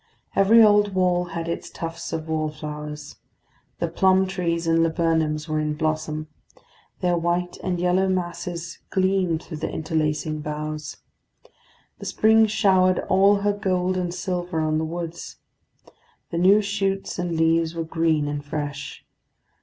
Every old wall had its tufts of wallflowers. The plum trees and laburnums were in blossom; their white and yellow masses gleamed through the interlacing boughs. The spring showered all her gold and silver on the woods. The new shoots and leaves were green and fresh.